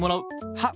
はっ！